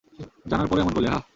জানার পরও এমন করলে, হাহ?